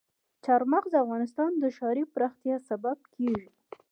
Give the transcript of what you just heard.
چار مغز د افغانستان د ښاري پراختیا سبب کېږي.